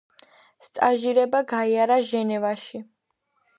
სტაჟირება გაიარა ჟენევაში.